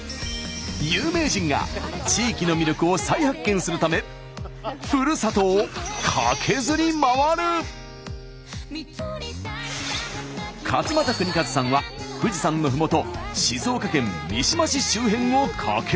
有名人が地域の魅力を再発見するためふるさとを勝俣州和さんは富士山のふもと静岡県三島市周辺をカケズる！